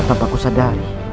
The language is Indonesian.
tanpa ku sadari